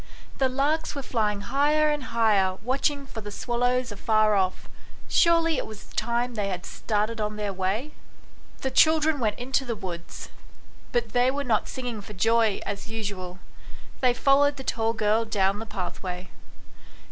The larks were flying higher and higher watching for the swallows afar off surely it was time they had started on their way ? The children went to the woods, but they were not singing for joy as usual ; they followed the tall girl down the pathway.